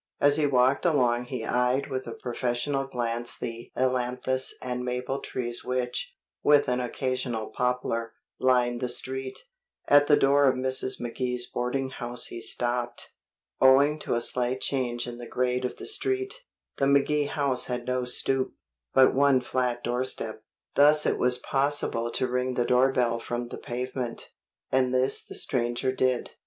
As he walked along he eyed with a professional glance the ailanthus and maple trees which, with an occasional poplar, lined the Street. At the door of Mrs. McKee's boarding house he stopped. Owing to a slight change in the grade of the street, the McKee house had no stoop, but one flat doorstep. Thus it was possible to ring the doorbell from the pavement, and this the stranger did.